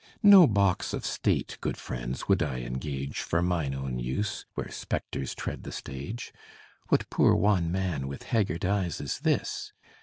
No box of state, good friends, would I engage, For mine own use, where spectres tread the stage: What poor wan man with haggard eyes is this?